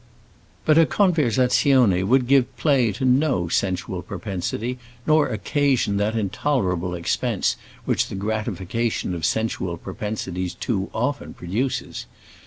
But a conversazione would give play to no sensual propensity, nor occasion that intolerable expense which the gratification of sensual propensities too often produces.